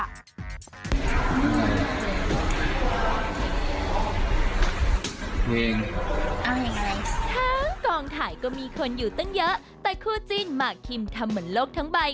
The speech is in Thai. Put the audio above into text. ทั้งกองถ่ายก็มีคนอยู่ตั้งเยอะแต่คู่จีนมาร์คิมทำเหมือนโลกทั้งใบ